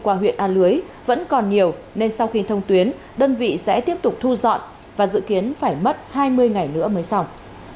qua huyện a lưới vẫn còn nhiều nên sau khi thông tuyến đơn vị sẽ tiếp tục thu dọn và dự kiến phải mất hai mươi ngày nữa mới xong